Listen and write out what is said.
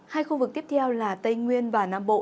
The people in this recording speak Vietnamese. hai khu vực tiếp theo là tây nguyên và nam bộ